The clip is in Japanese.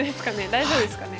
大丈夫ですかね。